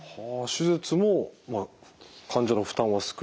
手術も患者の負担は少ない。